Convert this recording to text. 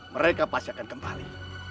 mereka pasti akan kembali